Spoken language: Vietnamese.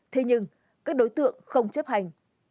thế nhưng các đối tượng không chấp hành